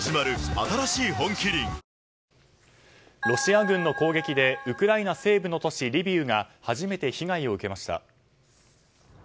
ロシア軍の攻撃でウクライナ西部の都市リビウが初めて被害を受けました。